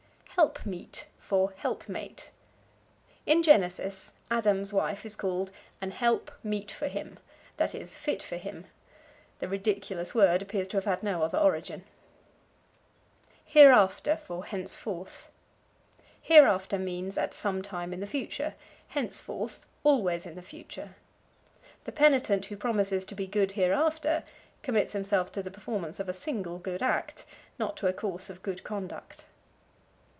Helpmeet for Helpmate. In Genesis Adam's wife is called "an help meet for him," that is, fit for him. The ridiculous word appears to have had no other origin. Hereafter for Henceforth. Hereafter means at some time in the future; henceforth, always in the future. The penitent who promises to be good hereafter commits himself to the performance of a single good act, not to a course of good conduct.